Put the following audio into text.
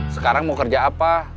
sekarang mau kerja apa